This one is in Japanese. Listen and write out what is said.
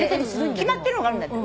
決まってるのがあるんだって。